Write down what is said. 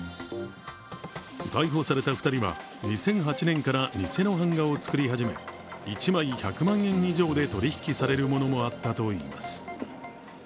逮捕された２人は、２００８年から偽の版画を作り始め１枚１００万円以上で取り引きされるものもあったといいます。